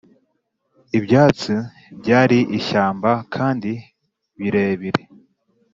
ibyatsi byari ishyamba kandi birebire